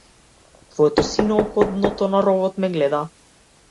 Твоето сино око од дното на ровот ме гледа.